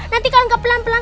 nanti kalau nggak pelan pelan